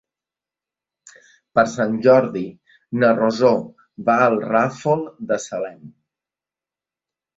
Per Sant Jordi na Rosó va al Ràfol de Salem.